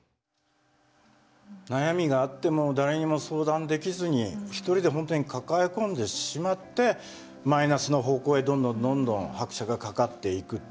悩みがあっても誰にも相談できずに独りで本当に抱え込んでしまってマイナスの方向へどんどんどんどん拍車がかかっていく。